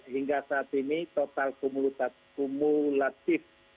hingga saat ini total kumulatif